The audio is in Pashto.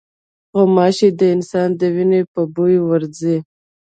غوماشې د انسان د وینې په بوی ورځي.